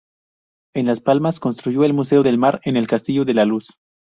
En Las Palmas construyó el Museo del Mar, en el Castillo de la Luz.